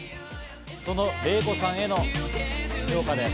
そのレイコさんへの評価です。